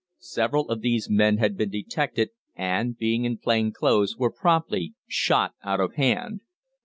Several of these men had been detected, and, being in plain clothes, were promptly shot out of hand.